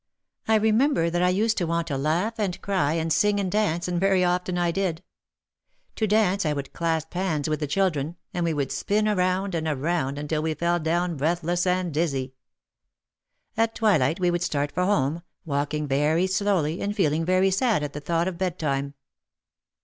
I remember that I used to want to laugh and cry and sing and dance, and very often I did. To dance I would clasp hands with the children, and we would spin around, and around, until we fell down breathless and dizzy. At twilight we would start for home, walking very slowly and feeling very sad at the thought of bed time.